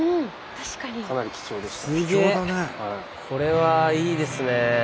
これはいいですね。